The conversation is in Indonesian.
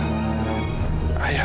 aku akan berjuang